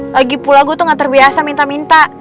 lagi pula gue tuh gak terbiasa minta minta